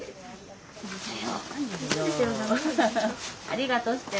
「ありがとう」して。